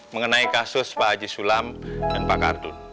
mengenai kasus pak haji sulam dan pak kartun